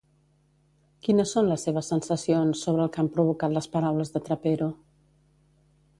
Quines són les seves sensacions sobre el que han provocat les paraules de Trapero?